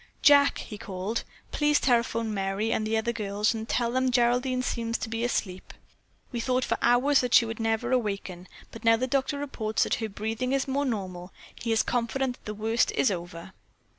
"Jack," he called, "please telephone Merry and the other girls and tell them that Geraldine seems to be asleep. We thought for hours that she would never awaken, but now the doctor reports that her breathing is more normal. He is confident that the worst is over."